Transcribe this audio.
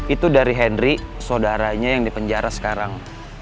itu dari henry saudaranya yang di penjara sekarang